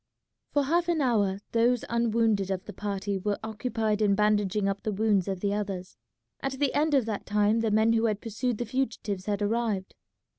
For half an hour those unwounded of the party were occupied in bandaging up the wounds of the others. At the end of that time the men who had pursued the fugitives had arrived.